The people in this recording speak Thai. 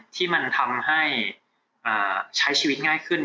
ที่มันทำให้ใช้ชีวิตง่ายขึ้น